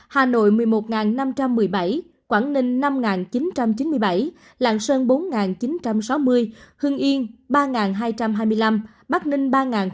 hà nội một mươi một năm trăm một mươi bảy quảng ninh năm chín trăm chín mươi bảy lạng sơn bốn chín trăm sáu mươi hưng yên ba hai trăm hai mươi năm bắc ninh ba mươi